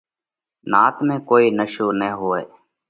نات ۾ ڪوئي نشو نہ هوئہ۔